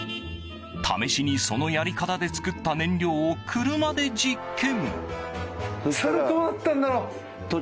試しに、そのやり方で作った燃料を車で実験。